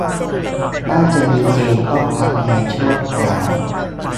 บ้างจะมีเกณฑ์ต้องพักงานชั่วคราว